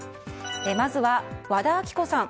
まずは和田アキ子さん